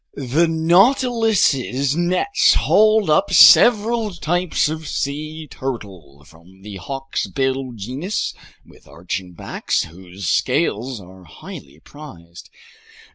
The Nautilus's nets hauled up several types of sea turtle from the hawksbill genus with arching backs whose scales are highly prized.